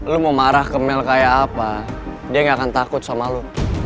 lu mau marah ke mel kayak apa dia gak akan takut sama lu